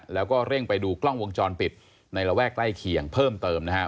แล้วก็เร่งไปดูกล้องวงจรปิดในระแวกใกล้เคียงเพิ่มเติมนะครับ